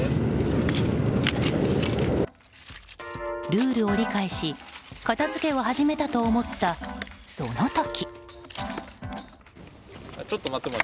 ルールを理解し片づけを始めたと思ったその時。